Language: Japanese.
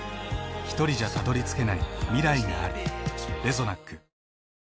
ひとりじゃたどりつけない未来がある。